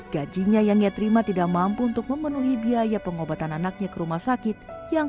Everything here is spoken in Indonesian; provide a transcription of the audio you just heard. gajinya yang ia terima tidak mampu untuk memenuhi biaya pengobatan anaknya ke rumah sakit yang